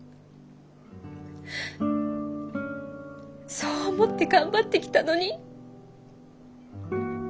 そう思って頑張ってきたのに。